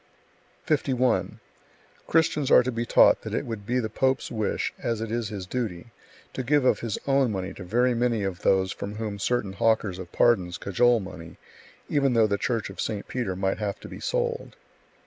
51. Christians are to be taught that it would be the pope's wish, as it is his duty, to give of his own money to very many of those from whom certain hawkers of pardons cajole money, even though the church of St. Peter might have to be sold.